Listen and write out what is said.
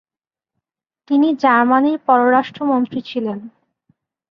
তিনি জার্মানির পররাষ্ট্রমন্ত্রী ছিলেন।